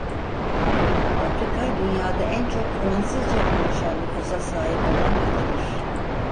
Afrika dünyada en çok Fransızca konuşan nüfusa sahip olan kıtadır.